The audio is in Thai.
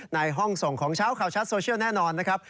ในห้องส่งของเช้าข่าวชัดโซเชียลแน่นอนนะครับ